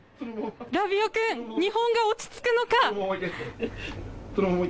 ラビオ君、日本が落ち着くのか。